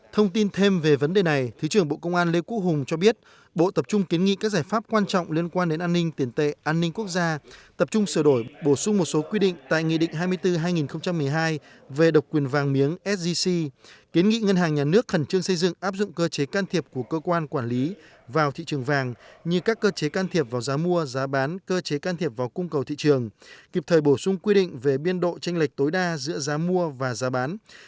thông tin thêm về vấn đề này thứ trưởng bộ công an lê cú hùng cho biết bộ tập trung kiến nghị các giải pháp quan trọng liên quan đến an ninh tiền tệ an ninh quốc gia tập trung sửa đổi bổ sung một số quy định tại nghị định hai mươi bốn hai nghìn một mươi hai về độc quyền vàng miếng sgc kiến nghị ngân hàng nhà nước khẩn trương xây dựng áp dụng cơ chế can thiệp của cơ quan quản lý vào thị trường vàng như các cơ chế can thiệp vào giá mua giá bán cơ chế can thiệp vào cung cầu thị trường kịp thời bổ sung quy định về biên độ tranh lệch tối đa giữa